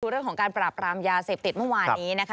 เรื่องของการปราบรามยาเสพติดเมื่อวานนี้นะคะ